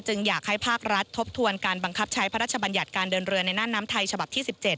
อยากให้ภาครัฐทบทวนการบังคับใช้พระราชบัญญัติการเดินเรือในน่านน้ำไทยฉบับที่๑๗